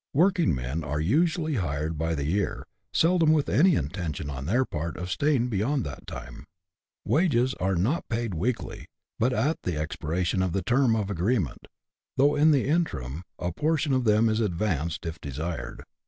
Working men are usually hired by the year, seldom with any intention on their part of staying beyond that time. The wages are not paid weekly, but at the expiration of tlie term of agreement, though in the interim a portion of them is advanced if desired.